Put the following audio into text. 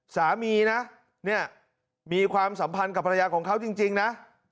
สามีนะเนี่ยมีความสัมพันธ์กับภรรยาของเขาจริงนะ